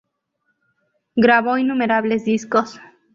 Grabó innumerables discos.